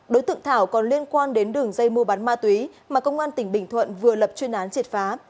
đối tượng thảo còn liên quan đến đường dây mua bán ma túy mà công an tỉnh bình thuận vừa lập chuyên án triệt phá